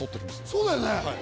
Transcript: そうだよね！